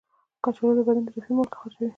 کچالو د بدن اضافي مالګې خارجوي.